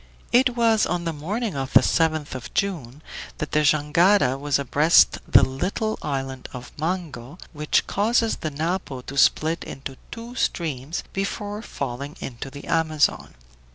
It was on the morning of the 7th of June that the jangada was abreast the little island of Mango, which causes the Napo to split into two streams before falling into the Amazon.